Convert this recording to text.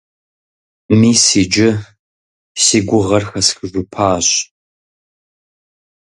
Мис иджы си гугъэр хэсхыжыпащ.